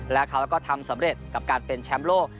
และเขาก็ทำสำเร็จกับการเป็นแชมป์โลก